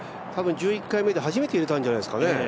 多分１１回目で初めて入れたんじゃないですかね。